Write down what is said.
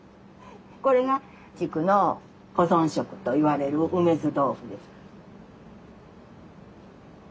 これが地区の保存食といわれる梅酢豆腐です。